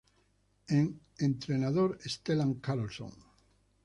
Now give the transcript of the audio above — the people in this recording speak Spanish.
Entrenador: Stellan Carlsson